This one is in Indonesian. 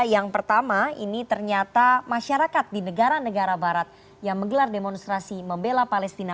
yang pertama ini ternyata masyarakat di negara negara barat yang menggelar demonstrasi membela palestina